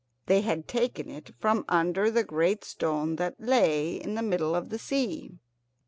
They had taken it from under the great stone that lay in the middle of the sea.